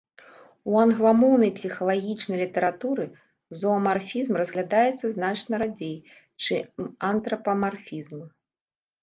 У англамоўнай псіхалагічнай літаратуры зоамарфізм разглядаецца значна радзей, чым антрапамарфізм.